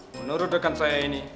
menurut rekan saya ini